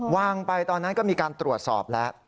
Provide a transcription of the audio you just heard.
วางไปตอนนั้นก็มีการตรวจสอบแล้ว